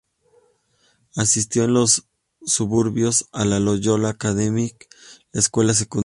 Asistió en los suburbios a la "Loyola Academy" de escuela secundaria.